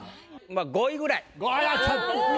５位ぐらい。